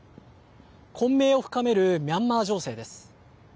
混迷を深めるミャンマー情勢です。